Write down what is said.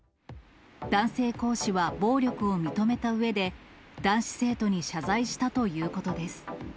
男性講師は暴力を認めたうえで、男子生徒に謝罪したということです。